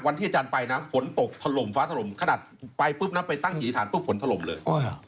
วันที่อาจารย์ไปนะฝนตกถล่มฟ้าถล่มขนาดไปปุ๊บนะไปตั้งหินฐานปุ๊บฝนถล่มเลย